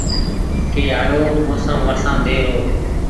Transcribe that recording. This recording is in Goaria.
ڪي آيو موسم ورشاندي رو